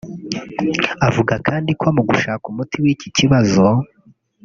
Avuga kandi ko mu gushaka umuti w’iki kibazo